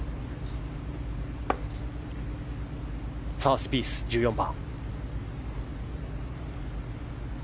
スピース、１４番。